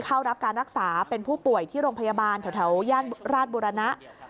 เข้ารับการรักษาเป็นผู้ป่วยที่โรงพยาบาลแถวย่านราชบุรณะ